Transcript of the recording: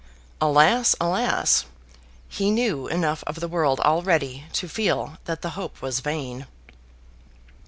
Alas, alas! He knew enough of the world already to feel that the hope was vain.